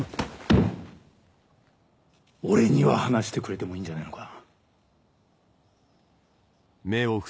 俺には話してくれてもいいんじゃねえのか。